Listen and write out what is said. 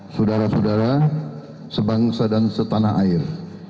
saudara saudara sebangsa dan setanah air